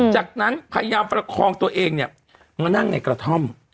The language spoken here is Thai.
จากนั้นพยายามประคองตัวเองเนี่ยมานั่งในกระท่อม